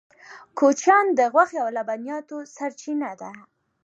کوچیان د غوښې او لبنیاتو سرچینه ده